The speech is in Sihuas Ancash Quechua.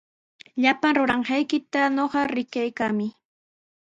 Llapan ruranqaykita ñuqa rikaykaami.